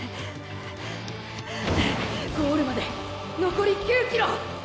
ゴールまで残り９ｋｍ。